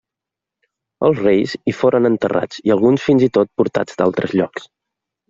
Els reis hi foren enterrats i alguns fins i tot portats d'altres llocs.